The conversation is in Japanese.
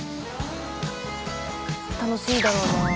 楽しいだろうな。